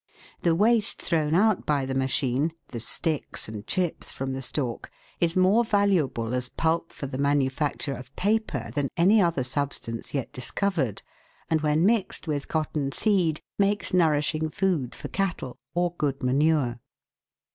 The waste thrown out by the machine the sticks and chips from the stalk is more valuable as pulp for the 304 THE WORLD'S LUMBER ROOM. manufacture of paper than any other substance yet dis covered^ and when mixed with cotton seed makes nourishing food for cattle, or good manure.